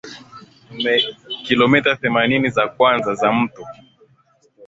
Kilomita themanini za kwanza za mto